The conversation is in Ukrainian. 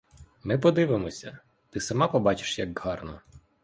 Ми подивимося; ти сама побачиш, як гарно.